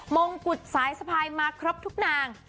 มงกุฎสายสะพายมาครบทุกนาง